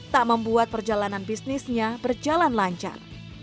tak membuat perjalanan bisnisnya berjalan lancar